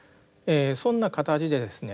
そんな形でですね